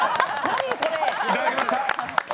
いただきました。